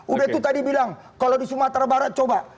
udah itu tadi bilang kalau di sumatera barat coba